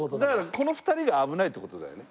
この２人が危ないって事だよね？